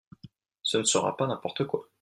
Ce ne sera pas n’importe quoi.